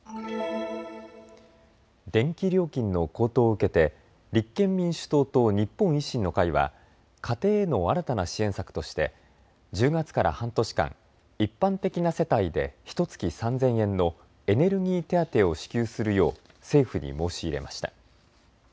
電気料金の高騰を受けて立憲民主党と日本維新の会は家庭への新たな支援策として１０月から半年間、一般的な世帯でひとつき３０００円のエネルギー手当を支給するよう政府に申し入れました。